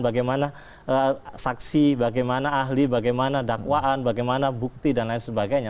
bagaimana saksi bagaimana ahli bagaimana dakwaan bagaimana bukti dan lain sebagainya